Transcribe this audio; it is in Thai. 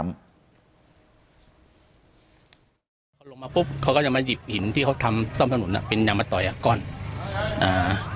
พอลงมาปุ๊บเขาก็จะมาหยิบหินที่เขาทำซ่อมถนนอ่ะเป็นอย่างมาต่อยอ่ะก้อนอ่า